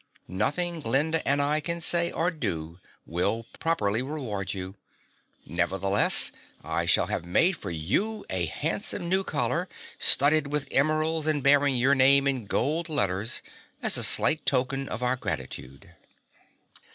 Nothing Glinda and I can say or do will properly reward you. Nevertheless I shall have made for you a handsome new collar studded with emeralds and bearing your name in gold letters as a slight token of our gratitude."